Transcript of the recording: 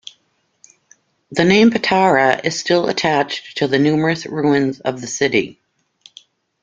The name Patara is still attached to the numerous ruins of the city.